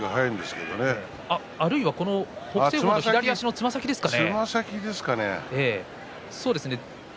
これは北青鵬の左のつま先ですかね。